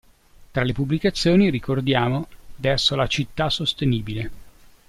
Tra le pubblicazioni ricordiamo:"Verso la città sostenibile.